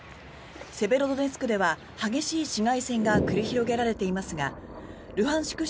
セベロドネツクでは激しい市街戦が繰り広げられていますがルハンシク